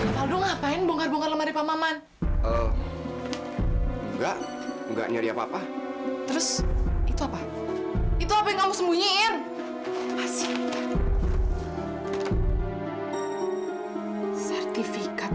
sampai jumpa di video selanjutnya